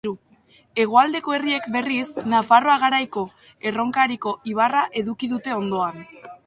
Hegoaldeko herriek, berriz, Nafarroa Garaiko Erronkariko ibarra eduki dute ondoan.